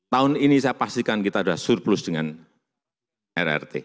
tahun ini saya pastikan kita sudah surplus dengan rrt